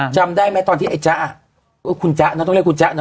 จำได้ไหมตอนที่ไอ้จ๊ะคุณจ๊ะนะต้องเรียกคุณจ๊ะเนา